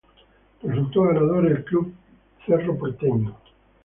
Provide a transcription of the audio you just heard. Resultó ganador el Club Cerro Porteño.